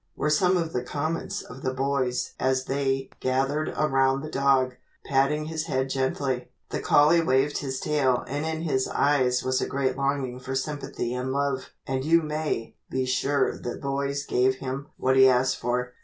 were some of the comments of the boys as they gathered around the dog, patting his head gently. The collie waved his tail and in his eyes was a great longing for sympathy and love. And you may be sure the boys gave him what he asked for.